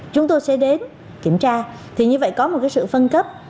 chúng tôi sẽ đến kiểm tra thì như vậy có một sự phân cấp